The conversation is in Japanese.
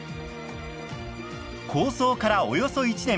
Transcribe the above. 構想からおよそ１年。